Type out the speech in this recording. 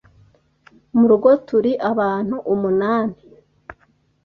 Mu rugo turi abantu umunani